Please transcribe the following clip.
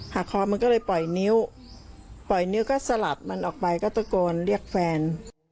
คอมันก็เลยปล่อยนิ้วปล่อยนิ้วก็สลัดมันออกไปก็ตะโกนเรียกแฟน